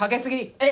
えっ！